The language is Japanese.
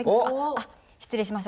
あ失礼しました。